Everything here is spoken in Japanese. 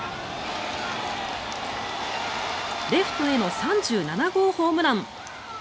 レフトへの３７号ホームラン。